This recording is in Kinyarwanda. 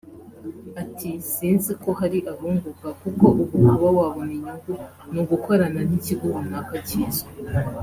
Ati “Sinzi ko hari abunguka kuko ubu kuba wabona inyungu ni ugukorana n’ikigo runaka kizwi